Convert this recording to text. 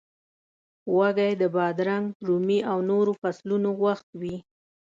وږی د بادرنګ، رومي او نورو فصلونو وخت وي.